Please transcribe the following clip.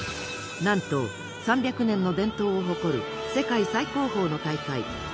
なんと３００年の伝統を誇る世界最高峰の大会